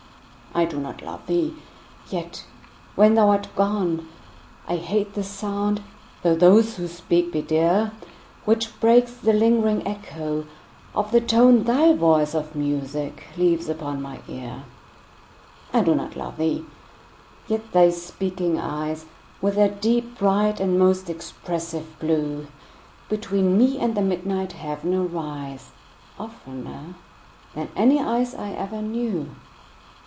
I do not love thee!—yet, when thou art gone, I hate the sound (though those who speak be dear) 10 Which breaks the lingering echo of the tone Thy voice of music leaves upon my ear. I do not love thee!—yet thy speaking eyes, With their deep, bright, and most expressive blue, Between me and the midnight heaven arise, 15 Oftener than any eyes I ever knew.